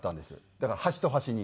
だから端と端に。